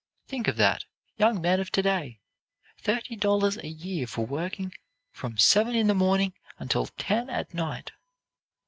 Think of that, young men of to day! Thirty dollars a year for working from seven in the morning until ten at night!